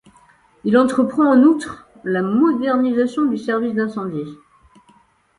Il entreprend en outre la modernisation du service d’incendie.